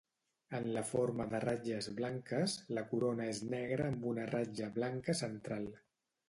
En la forma de ratlles blanques, la corona és negra amb una ratlla blanca central.